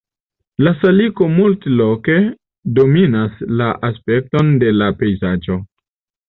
La saliko multloke dominas la aspekton de la pejzaĝo.